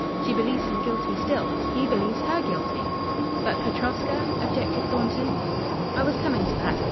She believes him guilty still; he believes her guilty." "But Petrovska?" objected Thornton. "I was coming to that.